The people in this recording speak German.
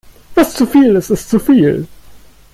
Was zu viel ist, ist zu viel.